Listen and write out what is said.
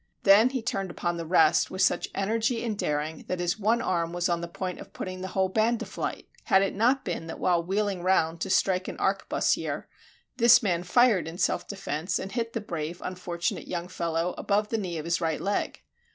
Then he turned upon the rest with such energy and daring that his one arm was on the point of putting the whole band to flight, had it not been that while wheeling round to strike an arquebusier, this man fired in self defense and hit the brave unfortunate young fellow above the knee of his right leg.